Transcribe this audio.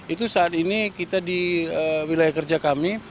itu saat ini kita di wilayah kerja kami